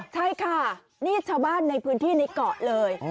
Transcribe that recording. ใช่ค่ะนี่ชาวบ้านในพื้นที่ในเกาะเลย